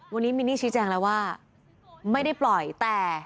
วันนี้มินนี่ชี้แจงแล้วว่าไม่ได้ปล่อยแต่